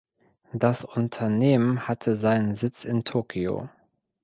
Das Unternehmen hatte seinen Sitz in Tokio.